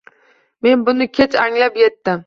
Men buni kech anglab yetdim.